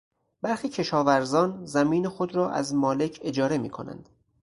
برخی کشاورزان زمین خود را از مالک اجاره میکنند.